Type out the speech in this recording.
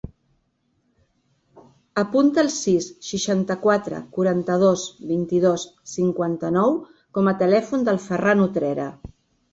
Apunta el sis, seixanta-quatre, quaranta-dos, vint-i-dos, cinquanta-nou com a telèfon del Ferran Utrera.